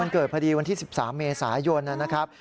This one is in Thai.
เกิดพอดีวันที่๑๓เมษายนนะครับ